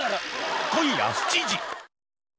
今夜７時。